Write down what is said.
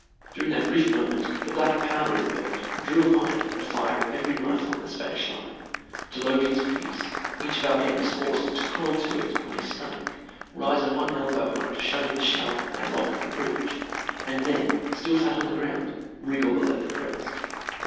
During that brief moment the black powder it burned drew upon it the fire of every rifle in the Spanish line. To load his piece, each of our men was forced to crawl to it on his stomach, rise on one elbow in order to shove in the shell and lock the breech, and then, still flat on the ground, wriggle below the crest.